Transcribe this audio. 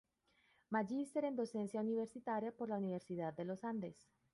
Magister en Docencia Universitaria por la Universidad de Los Andes.